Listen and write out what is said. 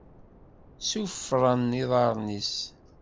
Ṣṣufṛen iḍaṛṛen-is.